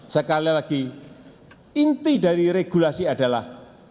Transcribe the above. sekali lagi inti dari regulasi adalah